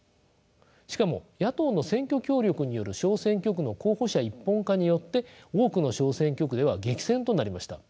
しかも野党の選挙協力による小選挙区の候補者一本化によって多くの小選挙区では激戦となりました。